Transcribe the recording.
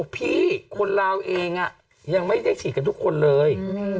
พี่คนลาวเองยังไม่ได้ฉีดกันทุกคนเลย